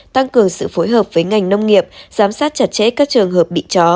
tăng cường sự phối hợp với ngành nông nghiệp giám sát chặt chẽ các trường hợp bị chó